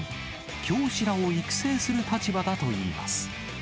教師らを育成する立場だといいます。